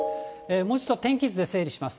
もう一度、天気図で整理します。